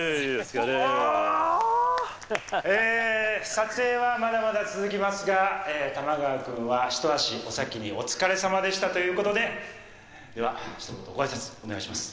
撮影はまだまだ続きますが玉川君は一足お先にお疲れさまでしたということでではひと言ご挨拶お願いします。